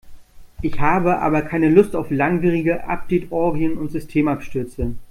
Ich habe aber keine Lust auf langwierige Update-Orgien und Systemabstürze.